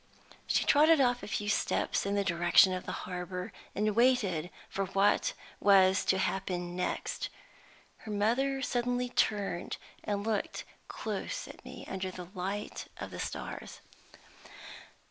She trotted off a few steps in the direction of the harbor, and waited for what was to happen next. Her mother suddenly turned, and looked close at me under the light of the stars.